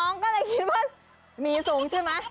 น้องก็เลยคิดว่ามีสูงใช่ไหม